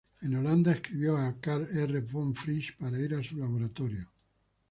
En Holanda, escribió a Karl R. von Frisch para ir a su laboratorio.